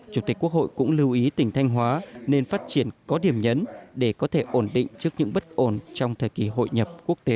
chủ tịch quốc hội cũng lưu ý tỉnh thanh hóa nên phát triển có điểm nhấn để có thể ổn định trước những bất ổn trong thời kỳ hội nhập quốc tế